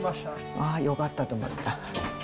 ああ、よかったと思った。